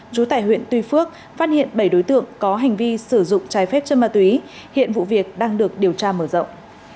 trú tại huyện tuy phước phát hiện bảy đối tượng có hành vi sử dụng trái phép chân ma túy hiện vụ việc đang được điều tra mở rộng